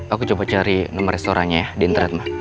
aku coba cari nomer restorannya ya di internet ma